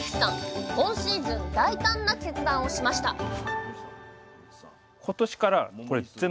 今シーズン大胆な決断をしましたあ！